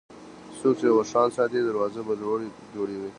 څوک چې اوښان ساتي، دروازې به لوړې جوړوي.